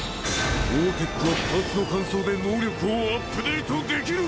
オーテックはパーツの換装で能力をアップデートできる！